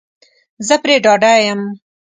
زه پری ډاډه یم